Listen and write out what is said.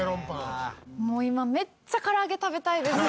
もう今めっちゃ唐揚げ食べたいです。